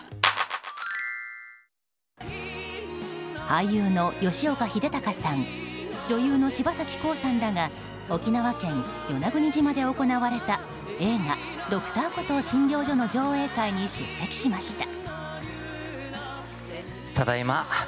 俳優の吉岡秀隆さん女優の柴咲コウさんらが沖縄県与那国島で行われた映画「Ｄｒ．コトー診療所」の上映会に出席しました。